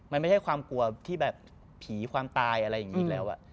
มันไม่ใช่ความกลัวที่แบบผีความตายอะไรอย่างนี้อีกแล้ว